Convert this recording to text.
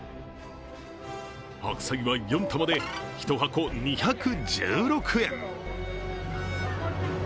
白菜は４玉で１箱２１６円。